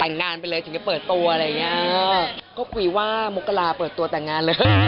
ไม่รอไปเรื่อยเถอะ